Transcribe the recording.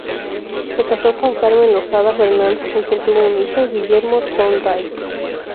Se casó con Carmen Losada Fernández, con quien tuvo un hijo: Guillermo Thorndike.